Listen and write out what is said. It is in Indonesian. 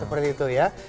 seperti itu ya